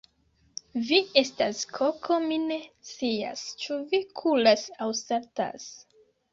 Vi estas koko mi ne scias, ĉu vi kuras aŭ saltas